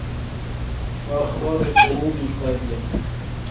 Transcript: وَأَخْبَارِ الْقُرُونِ الْخَالِيَةِ